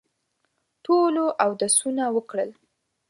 ټولو اودسونه وکړل.